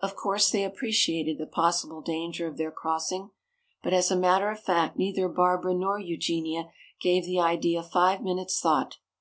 Of course they appreciated the possible danger of their crossing. But as a matter of fact neither Barbara nor Eugenia gave the idea five minutes' thought.